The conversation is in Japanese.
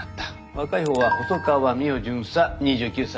若い方は細川未央巡査２９歳。